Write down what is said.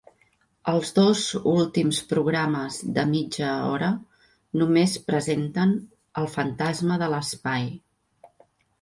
Els dos últims programes de mitja hora només presenten El Fantasma de l"Espai.